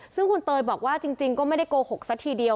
ซึ่งคุณเตยบอกว่าจริงก็ไม่ได้โกหกซะทีเดียว